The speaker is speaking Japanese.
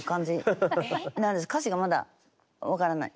歌詞がまだ分からない。